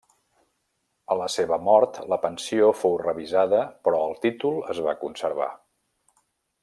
A la seva mort la pensió fou revisada però el títol es va conservar.